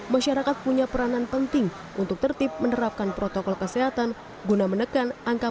masyarakat punya peranan penting untuk tertib menerapkan protokol kesehatan guna menekan angka